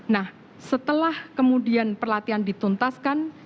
nah setelah kemudian pelatihan dituntaskan